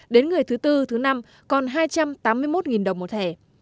đến ngày thứ tư thứ năm còn hai trăm tám mươi một đồng một thẻ